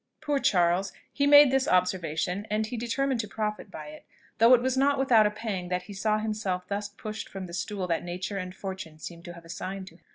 Poor Charles! he made this observation, and he determined to profit by it; though it was not without a pang that he saw himself thus pushed from the stool that nature and fortune seemed to have assigned to him.